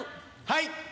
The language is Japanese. はい。